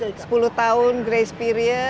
jadi selatan utara semuanya jaika